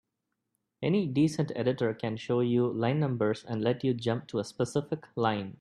Any decent editor can show you line numbers and let you jump to a specific line.